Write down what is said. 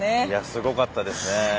すごかったですね。